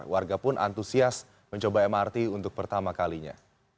warga pun antusias mencoba mrt untuk pertama kalinya